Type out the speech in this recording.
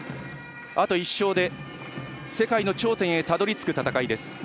あと１勝で世界の頂点へたどり着く戦いです。